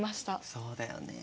そうだよね。